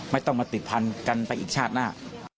ไม่ต้องมาติดพันกันไปอีกชาติหน้า